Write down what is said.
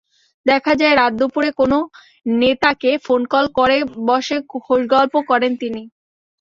দেখা যায়, রাতদুপুরে কোনো নেতাকে ফোনকল করে বসে খোশগল্প করেন তিনি।